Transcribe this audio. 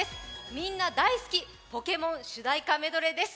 みんな大好き「ポケモン」主題歌メドレーです。